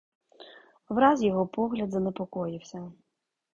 Враз його погляд занепокоївся.